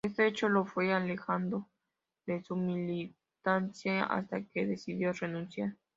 Este hecho lo fue alejando de su militancia, hasta que decidió renunciar.